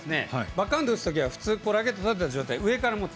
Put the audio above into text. バックハンド打つときは普通、ラケットを立てた状態で上から持つ。